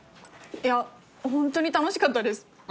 いやホントに楽しかったです。